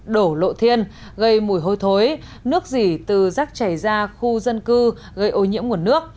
đổ lộ thiên gây mùi hôi thối nước dỉ từ rác chảy ra khu dân cư gây ô nhiễm nguồn nước